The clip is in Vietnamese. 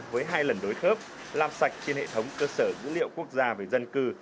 với hai lần đối khớp làm sạch trên hệ thống cơ sở dữ liệu quốc gia về dân cư